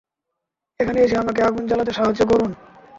এখানে এসে আমাকে আগুল জ্বালাতে সাহায্য করুন।